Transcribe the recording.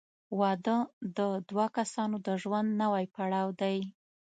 • واده د دوه کسانو د ژوند نوی پړاو دی.